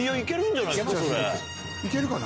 行けるかな？